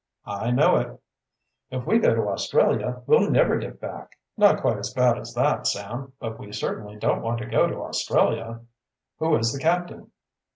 "I know it." "If we go to Australia, we'll never get back." "Not quite as bad as that, Sam. But we certainly don't want to go to Australia." "Who is the captain?"